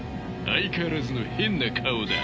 相変わらずの変な顔だ。